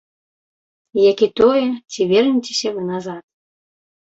Як і тое, ці вернецеся вы назад.